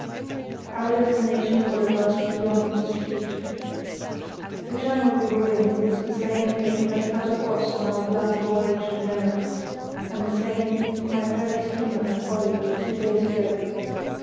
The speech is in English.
Our destination was at last beyond dispute. [See Chart.] The channel we were in was the same that we had cut across on our blind voyage to Memmert, and the same my ferry steamer had followed two days ago.